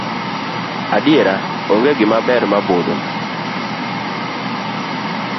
Adiera onge gima ber mabudho.